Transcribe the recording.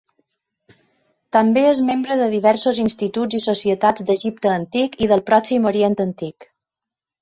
També és membre de diversos instituts i societats d'Egipte Antic i del Pròxim Orient Antic.